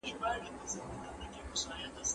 خپل ځان ته د بریا اجازه ورکړئ.